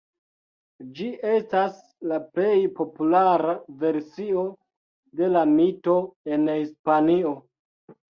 Ĝi estas la plej populara versio de la mito en Hispanio.